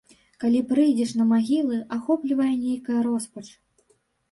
Калі прыйдзеш на магілы, ахоплівае нейкая роспач.